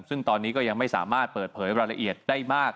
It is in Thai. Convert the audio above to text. ซึ่งตอนนี้ก็ยังไม่สามารถเปิดเผยรายละเอียดได้มาก